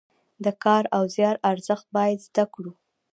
د کار او زیار ارزښت باید زده کړو.